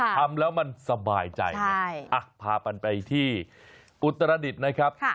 ทำแล้วมันสบายใจไงพากันไปที่อุตรดิษฐ์นะครับ